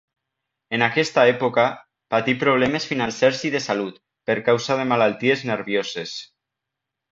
En aquesta època, patí problemes financers i de salut, per causa de malalties nervioses.